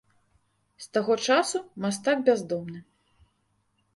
З таго часу мастак бяздомны.